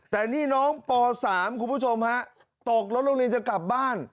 แต่นี่น้องป๓คุณผู้ชมฮะตกรถโรงเรียนจะกลับบ้าน